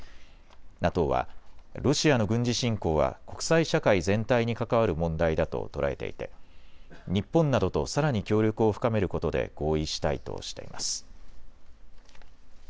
ＮＡＴＯはロシアの軍事侵攻は国際社会全体に関わる問題だと捉えていて日本などとさらに協力を深めることで合意したいとしています。